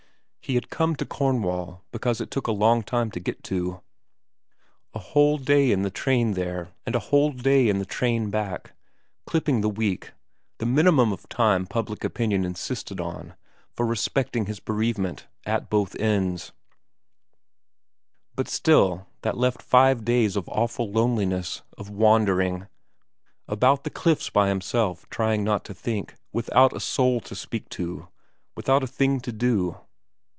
He had come to Cornwall because it took a long time to get to, a whole day in the train there and a whole day in the train back, clipping the i VERA '" week, the minimum of time public opinion insisted on? for respecting his bereavement, at both ends ; buk still that left five days of awful loneliness, of wandering; about the cliffs by himself trying not to think, without a soul to speak to, without a thing to do.